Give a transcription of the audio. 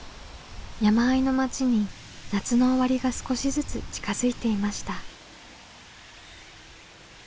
山あいの町に夏の終わりが少しずつ近づいていました。